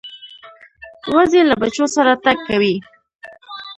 وزې له بچو سره تګ کوي